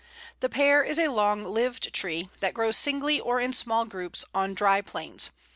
The Pear is a long lived tree, that grows singly or in small groups on dry plains.